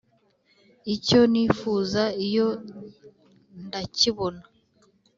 Icyo nifuza iyo ndakibona